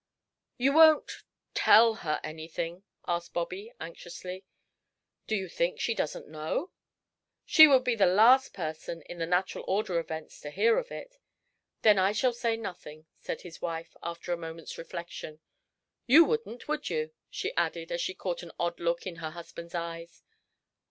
"You won't tell her anything?" asked Bobby, anxiously. "Do you think she doesn't know?" "She would be the last person, in the natural order of events, to hear of it." "Then I shall say nothing," said his wife, after a moment's reflection. "You wouldn't, would you?" she added, as she caught an odd look in her husband's eyes.